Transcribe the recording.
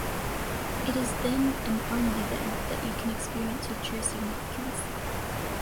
It is then, and only then, that you can experience your true significance.